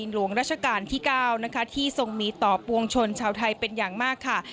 หลวงราชการที่๙นะคะที่ทรงมีต่อปวงชนชาวไทยเป็นอย่างมากค่ะ